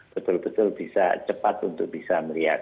betul betul bisa cepat untuk bisa melihat